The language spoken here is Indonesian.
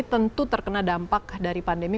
tentu terkena dampak dari pandemi